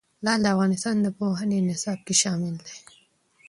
لعل د افغانستان د پوهنې نصاب کې شامل دي.